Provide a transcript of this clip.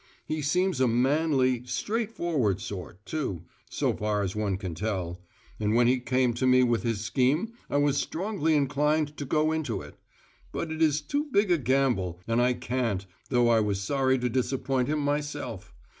He seems a manly, straightforward sort, too so far as one can tell and when he came to me with his scheme I was strongly inclined to go into it. But it is too big a gamble, and I can't, though I was sorry to disappoint him myself.